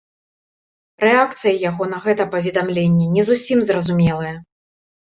Рэакцыя яго на гэта паведамленне не зусім зразумелая.